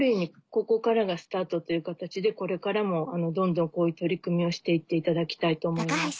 ここからがスタートっていう形でこれからもどんどんこういう取り組みをして行っていただきたいと思います。